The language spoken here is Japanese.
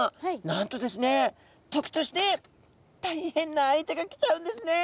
なんとですね時として大変な相手が来ちゃうんですね。